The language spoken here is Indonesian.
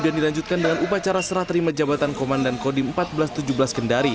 dan dilanjutkan dengan upacara seraterima jabatan komandan kodim seribu empat ratus tujuh belas kendari